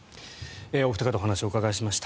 お二方にお話をお伺いしました。